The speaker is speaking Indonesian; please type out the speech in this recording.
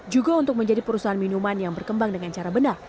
juga untuk menjadi perusahaan minuman yang berkembang dengan cara benar